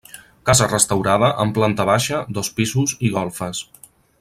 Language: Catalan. Casa restaurada amb planta baixa, dos pisos i golfes.